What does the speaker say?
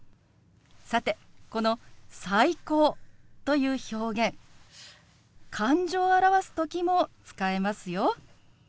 さてこの「最高」という表現感情を表す時も使えますよ。